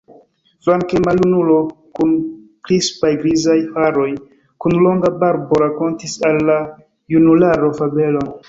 Flanke maljunulo kun krispaj grizaj haroj, kun longa barbo rakontis al la junularo fabelon.